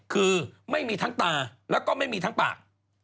คือไม่มีทั้งตาแล้วก็ไม่มีทั้งปาก